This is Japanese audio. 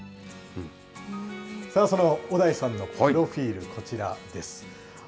その小田井さんのプロフィール、こちらです。